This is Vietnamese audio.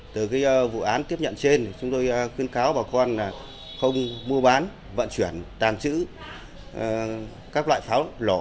từ vụ án tiếp nhận trên chúng tôi khuyên cáo bà con không mua bán vận chuyển tàn trữ các loại pháo lổ